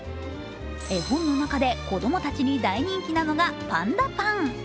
絵本の中で子どもたちに大人気なのがパンダパン。